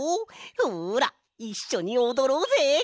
ほらいっしょにおどろうぜ！